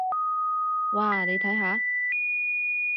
哇，你睇下！